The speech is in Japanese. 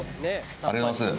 ありがとうございます。